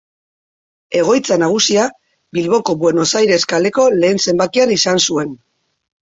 Egoitza nagusia Bilboko Buenos Aires kaleko lehen zenbakian izan zuen.